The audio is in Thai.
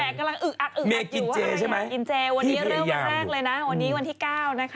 แม่กำลังอึ๊กอักอึ๊กอักอยู่วันนี้เริ่มวันแรกเลยนะวันนี้วันที่๙นะคะ